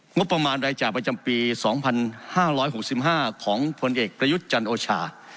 งบประมาณรายจ่ายประจำปีสองพันห้าร้อยหกสิบห้าของผลเอกประยุทธ์จันทร์โอชา